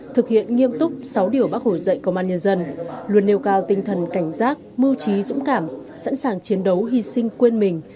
thực hiện nghiêm túc sáu điều bác hồ dạy công an nhân dân luôn nêu cao tinh thần cảnh giác mưu trí dũng cảm sẵn sàng chiến đấu hy sinh quên mình